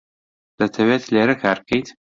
دەتەوێت لێرە کار بکەیت؟